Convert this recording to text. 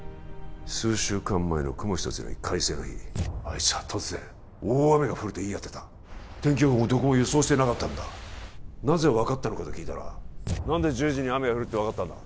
数週間前の雲ひとつない快晴の日あいつは突然大雨が降ると言い当てた天気予報もどこも予想していなかったんだなぜ分かったのか？と聞いたら何で１０時に雨が降るって分かったんだ